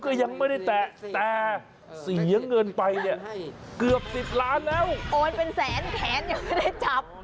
โอนเป็นแสนแผนยังไม่ได้จับ